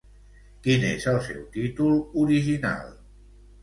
Quin és el seu títol original?